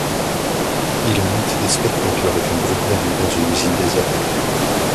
Il monte des spectacles avec un groupe d’amis dans une usine désaffectée.